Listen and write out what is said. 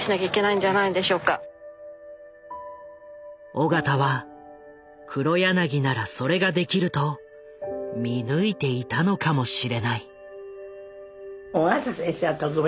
緒方は黒柳ならそれができると見抜いていたのかもしれない。